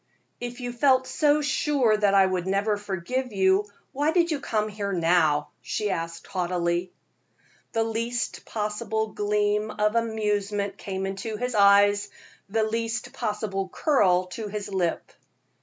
"If you felt so sure that I could never forgive you, why do you come here now?" she asked, haughtily. The least possible gleam of amusement came into his eyes, the least possible curl to his lip.